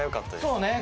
そうね！